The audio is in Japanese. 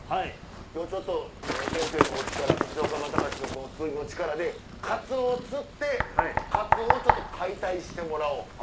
今日ちょっと先生のお力そして岡村隆史の釣りの力でカツオを釣ってカツオをちょっと解体してもらおう。